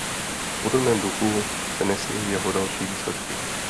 V podobném duchu se nesly jeho další výsledky.